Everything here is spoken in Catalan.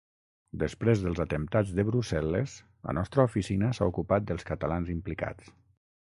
Després dels atemptats de Brussel·les, la nostra oficina s’ha ocupat dels catalans implicats.